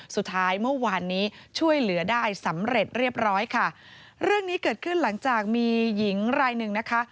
สุดท้ายเมื่อวานนี้ช่วยเหลือได้สำเร็จเรียบร้อยค่ะเรื่องนี้เกิดขึ้นหลังจากมีหญิงรายหนึ่งนะคะ